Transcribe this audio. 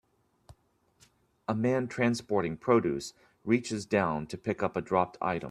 A man transporting produce reaches down to pick up a dropped item.